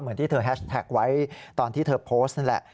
ที่เธอแฮชแท็กไว้ตอนที่เธอโพสต์นั่นแหละ